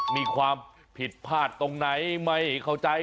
มีความผิดพลาดตรงไหนไม่เข้าใจ